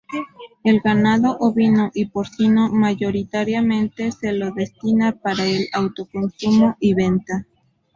El Ganado ovino y porcino mayoritariamente se lo destina para el Autoconsumo y venta.